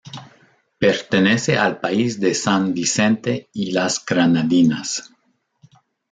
Pertenece al país de San Vicente y las Granadinas.